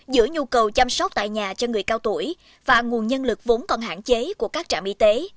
giữa nhu cầu chăm sóc tại nhà cho người cao tuổi và nguồn nhân lực vốn còn hạn chế của các trạm y tế